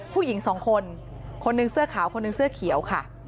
ผู้หญิงสองคนคนหนึ่งเสื้อขาวคนหนึ่งเสื้อเขียวค่ะ